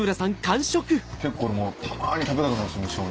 結構俺もたまに食べたくなるんです無性に。